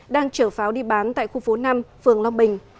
đang chở pháo đi bán tại khu phố năm phường long bình